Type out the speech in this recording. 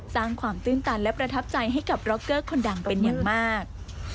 สร้างความตื้นตันและประทับใจให้กับร็อกเกอร์คนดังเป็นอย่างมาก